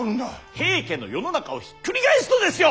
平家の世の中をひっくり返すのですよ！